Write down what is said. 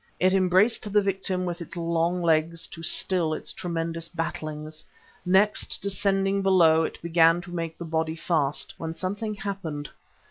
It embraced the victim with its long legs to still its tremendous battlings. Next, descending below, it began to make the body fast, when something happened.